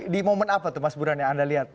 di momen apa tuh mas buran yang anda lihat